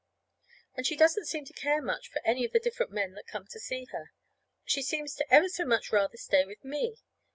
And she doesn't seem to care much for any of the different men that come to see her. She seems to ever so much rather stay with me.